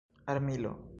armilo